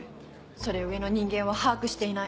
それを上の人間は把握していない。